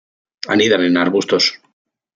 Anidan en arbustos.